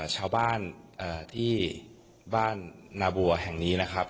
ชาวบ้านที่บ้านนาบัวแห่งนี้นะครับ